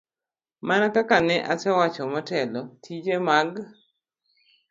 Mana kaka ne asewacho motelo, tije mag